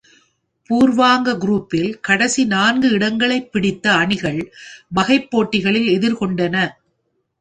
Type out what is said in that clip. பூர்வாங்க குரூப்பில் கடைசி நான்கு இடங்களைப் பிடித்த அணிகள் வகைப் போட்டிகளில் எதிர்கொண்டன.